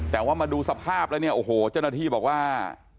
แต่ว่ามาดูสภาพแล้วเนี่ยโอ้โหเจ้าหน้าที่บอกว่า